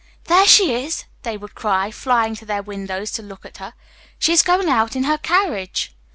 "There she is," they would cry, flying to their windows to look at her. "She is going out in her carriage."